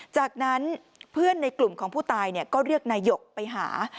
จากนั้นเพื่อนในกลุ่มของผู้ตายก็เรียกนายกไปหา